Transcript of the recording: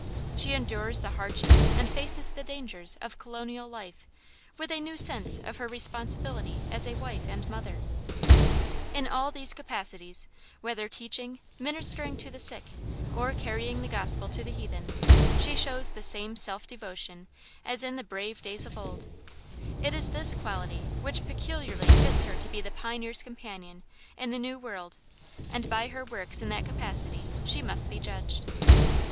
She endures the hardships and faces the dangers of colonial life with a new sense of her responsibility as a wife and mother. In all these capacities, whether teaching, ministering to the sick, or carrying the Gospel to the heathen, she shows the same self devotion as in "the brave days of old;" it is this quality which peculiarly fits her to be the pioneer's companion in the new world, and by her works in that capacity she must be judged.